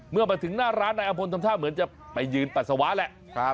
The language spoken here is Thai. เมื่อมาถึงหน้าร้านนายอำพลทำท่าเหมือนจะไปยืนปัสสาวะแหละ